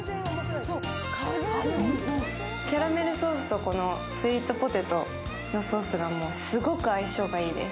キャラメルソースとこのスイートポテトのソースがすごく相性がいいです。